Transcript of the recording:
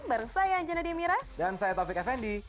bareng saya anjana demira dan saya taufik effendi